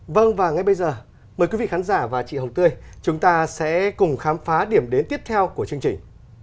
vâng và ngay bây giờ mời quý vị khán giả và chị hồng tươi chúng ta sẽ cùng khám phá điểm đến tiếp theo của chương trình